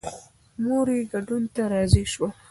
مور یې ګډون ته راضي شوه.